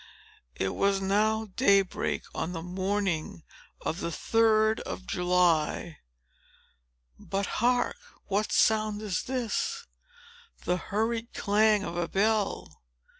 It was now day break, on the morning of the third of July. But, hark! what sound is this? The hurried clang of a bell!